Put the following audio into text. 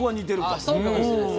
ああそうかもしれないですね。